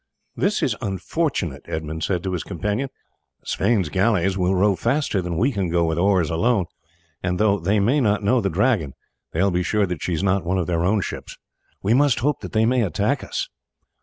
"This is unfortunate," Edmund said to his companion. "Sweyn's galleys will row faster than we can go with oars alone, and though they may not know the Dragon they will be sure that she is not one of their own ships. We must hope that they may attack us."